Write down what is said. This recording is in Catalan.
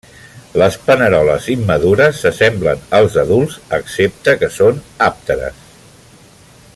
Les paneroles immadures s'assemblen als adults excepte que són àpteres.